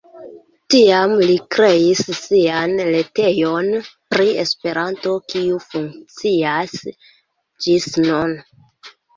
Tiam li kreis sian retejon pri Esperanto, kiu funkcias ĝis nun.